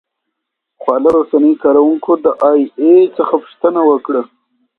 خواله رسنیو کاروونکو د اې ای څخه پوښتنه وکړه.